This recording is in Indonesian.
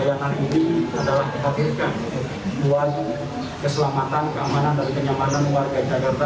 kebutuhan keselamatan keamanan dan kenyamanan warga jakarta